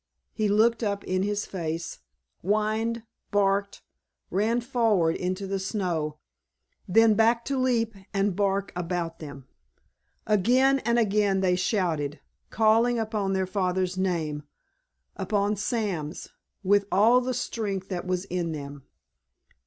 he looked up in his face, whined, barked, ran forward into the snow, then back to leap and bark about them. Again and again they shouted, calling upon their father's name, upon Sam's, with all the strength that was in them.